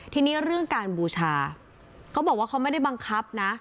ทีนี้เรื่องการบูชาเขาบอกว่าเขาไม่ได้บังคับนะ